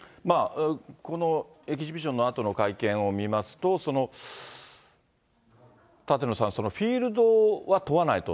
このエキシビションのあとの会見を見ますと、舘野さん、フィールドは問わないと。